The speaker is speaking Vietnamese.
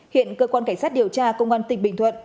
hiện cơ quan cảnh sát điều tra công an tỉnh bình thuận